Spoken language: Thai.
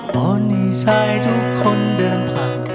ตอนนี้ชายทุกคนเดินผ่าน